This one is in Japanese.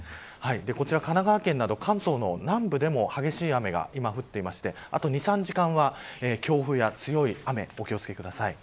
こちら神奈川県など関東の南部でも激しい雨が今、降っていて２、３時間は強風や強い雨にお気を付けください。